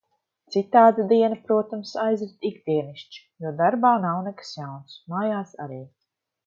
Citādi diena, protams, aizrit ikdienišķi, jo darbā nav nekas jauns, mājās arī.